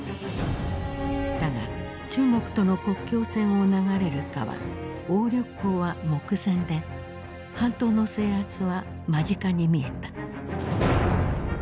だが中国との国境線を流れる川鴨緑江は目前で半島の制圧は間近に見えた。